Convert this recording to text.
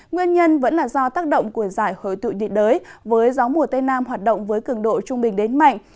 nguyên nhân vẫn là do tác động của rải hởi tự địa đới với gió mùa tây nam hoạt động với cường độ trung bình đến mạnh